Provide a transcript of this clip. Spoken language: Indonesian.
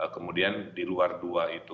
kemudian di luar dua itu